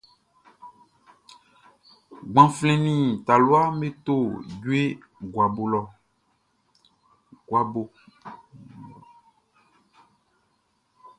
Gbanflɛn nin talua me to jue guabo.